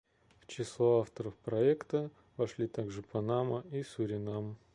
В число авторов проекта вошли также Панама и Суринам.